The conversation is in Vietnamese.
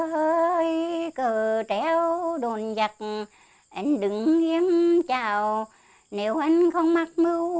hò rửa được